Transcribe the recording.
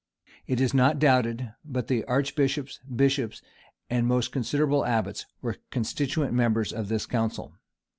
It is not doubted but the archbishops, bishops, and most considerable abbots were constituent members of this council.